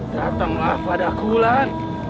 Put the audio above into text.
datanglah padaku wulan